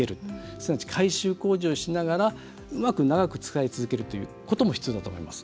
すなわち、改修工事をしながらうまく長く使い続けるということも必要だと思います。